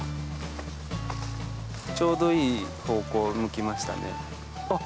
ちょうどいい方向向きましたね。